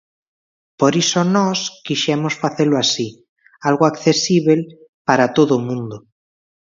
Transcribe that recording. Por iso nós quixemos facelo así, algo accesíbel para todo o mundo.